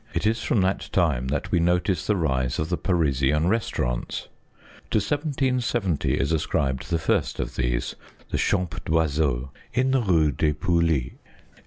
It is from that time that we notice the rise of the Parisian restaurants. To 1770 is ascribed the first of these, the Champ d'oiseau in the rue des Poulies.